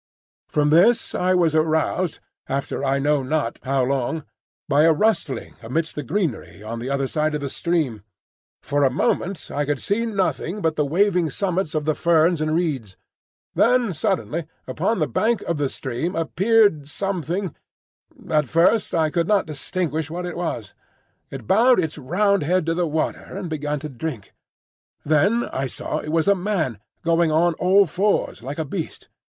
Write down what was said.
From this I was aroused, after I know not how long, by a rustling amidst the greenery on the other side of the stream. For a moment I could see nothing but the waving summits of the ferns and reeds. Then suddenly upon the bank of the stream appeared something—at first I could not distinguish what it was. It bowed its round head to the water, and began to drink. Then I saw it was a man, going on all fours like a beast.